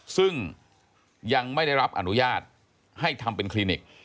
ซึ่งยังไม่ได้รับอนุญาตให้ทำเป็นคลินิก